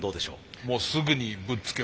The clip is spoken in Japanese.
もうすぐにぶっつけ本番。